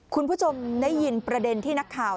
คุณผู้ชมได้ยินประเด็นที่นักข่าว